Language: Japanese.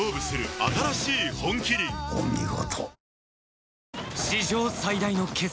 お見事。